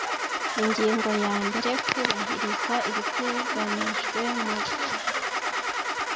Ingingo ya mbere Kubahiriza ibiteganyijwe mu